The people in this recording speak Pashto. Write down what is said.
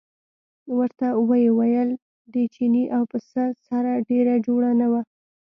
ورته ویې ویل د چیني او پسه سره ډېره جوړه وه.